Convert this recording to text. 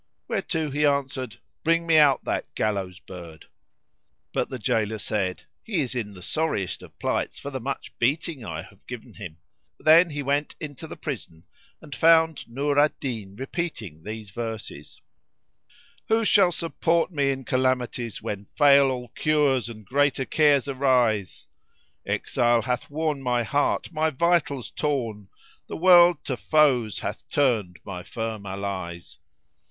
whereto he answered, "Bring me out that gallows bird." But the jailor said, "He is in the sorriest of plights for the much beating I have given him." Then he went into the prison and found Nur al Din repeating these verses, "Who shall support me in calamities, * When fail all cures and greater cares arise? Exile hath worn my heart, my vitals torn; The World to foes hath turned my firm allies.